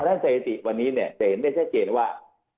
พระท่านเศรษฐีวันนี้จะเห็นได้แช่เจนว่า